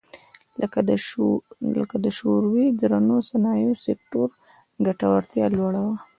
لکه د شوروي درنو صنایعو سکتور ګټورتیا لوړه وه